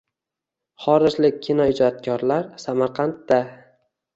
Xorijlik kinoijodkorlar – Samarqandda